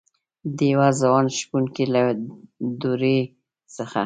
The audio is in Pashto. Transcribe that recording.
دیوه ځوان شپونکي له دروي څخه